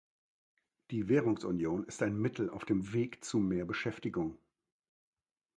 Die Währungsunion ist ein Mittel auf dem Weg zur mehr Beschäftigung.